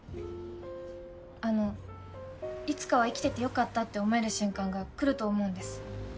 あのいつかは生きててよかったって思える瞬間が来ると思うんです。